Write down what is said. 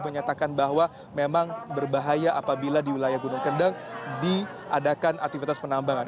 menyatakan bahwa memang berbahaya apabila di wilayah gunung kendeng diadakan aktivitas penambangan